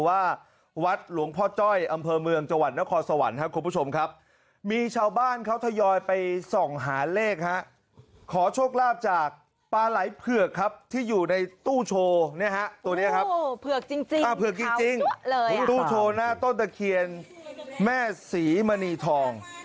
อ้าเผื่อกี้จริงตู้โชว์หน้าต้นตะเคียนแม่ศรีมณีทอง